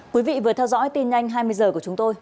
quý vị vừa theo dõi tin nhanh hai mươi h của chúng tôi